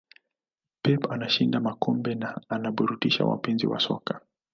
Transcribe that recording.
pep anashinda makombe na anaburudisha wapenzi wa soka